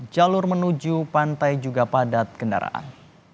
jalur menuju pantai juga padat kendaraan